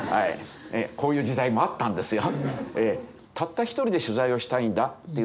こういう時代もあったんですよ。